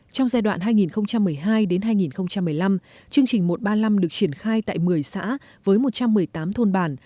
trong giai đoạn hai nghìn một mươi hai hai nghìn một mươi năm chương trình một trăm ba mươi năm được triển khai tại một mươi xã với một trăm một mươi tám thôn bản